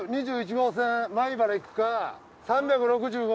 号線米原行くか３６５